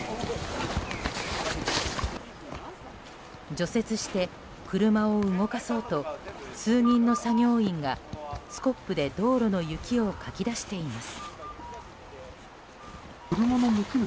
除雪して車を動かそうと数人の作業員がスコップで道路の雪をかき出しています。